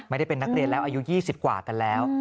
ไม่ได้เป็นนักเรียนแล้วอายุ๒๐กว่ากันแล้ว